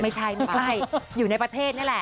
ไม่ใช่ไม่ใช่อยู่ในประเทศนี่แหละ